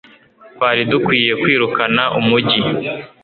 Twari dukwiye kwirukana umujyi